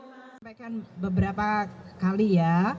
saya akan menyampaikan beberapa kali ya